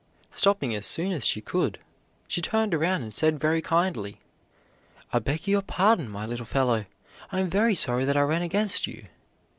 Stopping as soon as she could, she turned around and said very kindly: "I beg your pardon, my little fellow; I am very sorry that I ran against you."